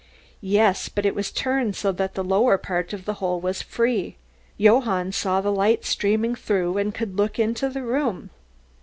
"Yes, but it was turned so that the lower part of the hole was free. Johann saw the light streaming through and could look into the room.